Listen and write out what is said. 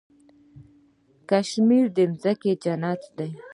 کشمیر د ځمکې جنت دی.